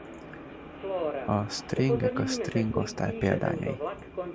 A stringek a String osztály példányai.